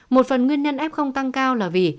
một phần nguyên nhân f tăng cao là vì